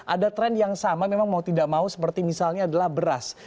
ada tren yang sama memang mau tidak mau seperti misalnya adalah beras